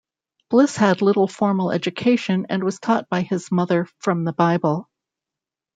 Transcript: Bliss had little formal education and was taught by his mother, from the Bible.